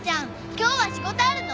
今日は仕事あるの？